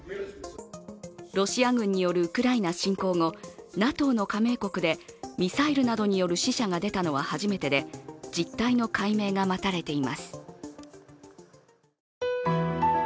ロシア軍によるウクライナ侵攻後、ＮＡＴＯの加盟国でミサイルなどによる死者が出たのは初めてで、あれこれ食べたいみんなと食べたいん！